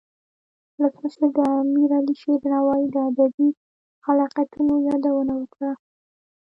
ولسمشر د امیر علي شیر نوایی د ادبی خلاقیتونو یادونه وکړه.